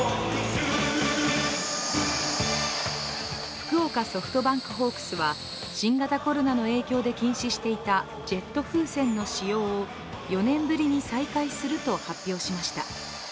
福岡ソフトバンクホークスは新型コロナの影響で禁止していたジェット風船の使用を４年ぶりに再開すると発表しました。